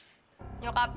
nyokapnya udah mampus